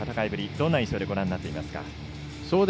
どんな印象でご覧になってますか。